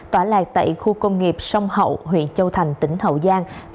tỏa lạc tại khu công nghiệp sông hậu huyện châu thành tỉnh hậu giang